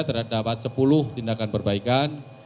terdapat sepuluh tindakan perbaikan